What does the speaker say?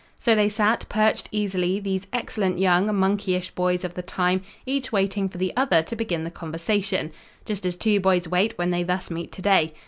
So they sat, perched easily, these excellent young, monkeyish boys of the time, each waiting for the other to begin the conversation, just as two boys wait when they thus meet today.